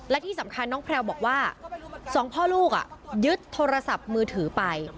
และที่สำคัญน้องแพลวบอกว่าสองพ่อลูกยึดโทรศัพท์มือถือไป